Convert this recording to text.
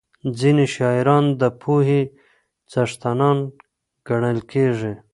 ځینې شاعران د پوهې څښتنان ګڼل کېږي.